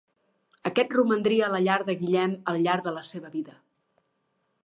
Aquest romandria la llar de Guillem al llarg de la seva vida.